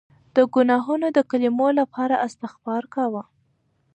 د ګناهونو د کمولو لپاره استغفار کوه.